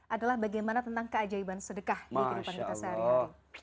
adalah bagaimana tentang keajaiban sedekah di kehidupan kita sehari hari